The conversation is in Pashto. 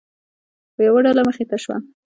یوه ډله مخې ته شوه.